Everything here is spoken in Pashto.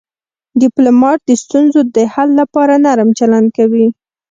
ډيپلومات د ستونزو د حل لپاره نرم چلند کوي.